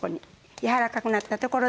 柔らかくなったところで少し。